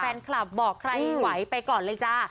แฟนคลับบอกใครไหวไปก่อนเลยจ้า